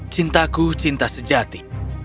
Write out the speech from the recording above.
cintaku cinta sejati